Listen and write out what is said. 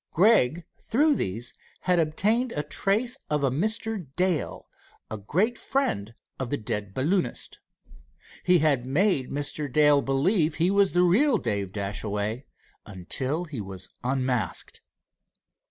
Gregg through these had obtained a trace of a Mr. Dale, a great friend of the dead balloonist. He had made Mr. Dale believe he was the real Dave Dashaway, until he was unmasked.